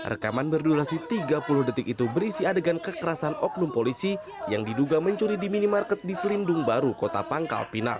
rekaman berdurasi tiga puluh detik itu berisi adegan kekerasan oknum polisi yang diduga mencuri di minimarket di selindung baru kota pangkal pinang